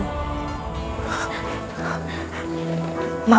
demi menyelamatkanmu dari orang yang ingin menjebakmu